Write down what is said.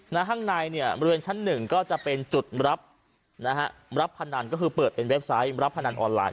ข้างในเนี่ยบริเวณชั้นหนึ่งก็จะเป็นจุดรับนะฮะรับพนันก็คือเปิดเป็นเว็บไซต์รับพนันออนไลน